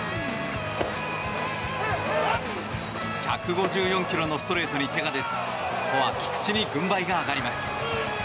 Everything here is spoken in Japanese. １５４ｋｍのストレートに手が出ずここは菊池に軍配が上がります。